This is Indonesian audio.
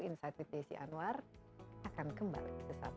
insight with desy anwar akan kembali sesaat pagi